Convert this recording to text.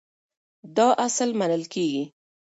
دا اصل منل کېږي.